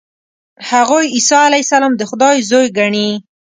هغوی عیسی علیه السلام د خدای زوی ګڼي.